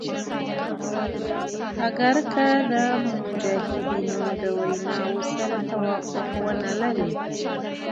اګر که د مجتهدینو د ویناوو سره توافق ونه لری.